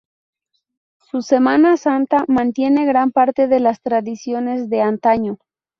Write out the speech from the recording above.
Su Semana Santa mantiene gran parte de las tradiciones de antaño.